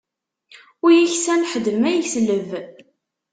Ur yeksan ḥedd ma yesleb.